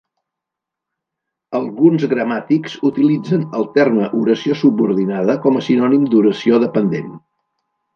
Alguns gramàtics utilitzen el terme "oració subordinada" com a sinònim d'"oració dependent".